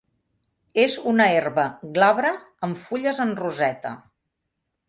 És una herba glabra amb fulles en roseta.